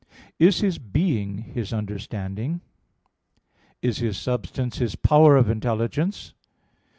(2) Is his being his understanding? (3) Is his substance his power of intelligence?